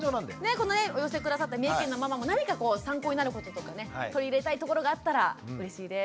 このお寄せ下さった三重県のママも何かこう参考になることとかね取り入れたいところがあったらうれしいです。